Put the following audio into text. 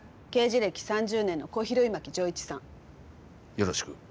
よろしく。